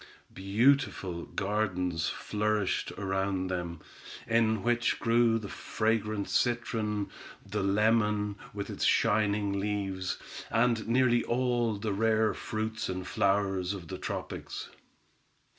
Beautiful gardens flourished around them, in which grew the fragrant citron, the lemon, with its shining leaves, and nearly all the rare fruits and flowers of the tropics.